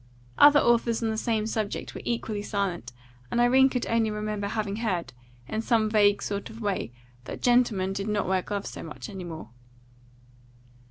Other authors on the same subject were equally silent, and Irene could only remember having heard, in some vague sort of way, that gentlemen did not wear gloves so much any more.